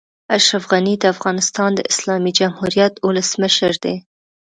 اشرف غني د افغانستان د اسلامي جمهوريت اولسمشر دئ.